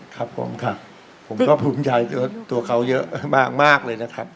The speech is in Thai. ครับผมค่ะผมก็ภูมิใจตัวเขาเยอะมากเลยนะครับ